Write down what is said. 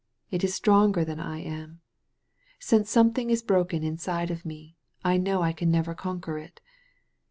It is stronger than I am. Since something is broken inside of me, I know I can never conquer it.